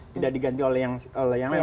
tidak diganti oleh yang lain